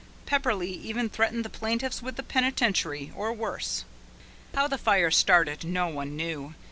Pepperleigh even threatened the plaintiffs with the penitentiary, or worse. How the fire started no one ever knew.